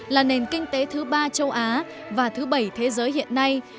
là nền kinh tế thứ ba châu á và thứ bảy thế giới hiện nay